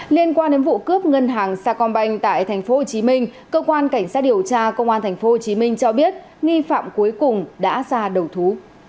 liên quan đến vụ cướp ngân hàng sacombank tại tp hcm cơ quan cảnh sát điều tra công an tp hcm cho biết nghi phạm cuối cùng đã ra đầu thú